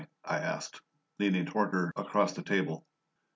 I asked, leaning toward her across the table.